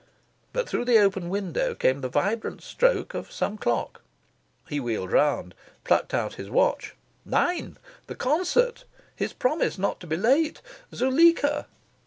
But through the open window came the vibrant stroke of some clock. He wheeled round, plucked out his watch nine! the concert! his promise not to be late! Zuleika!